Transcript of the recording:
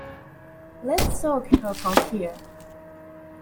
Let's soak her from here!